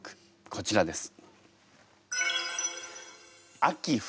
こちらです。